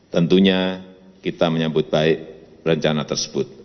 tentunya kita menyambut baik rencana tersebut